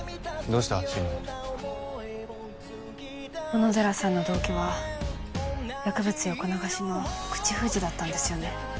小野寺さんの動機は薬物横流しの口封じだったんですよね？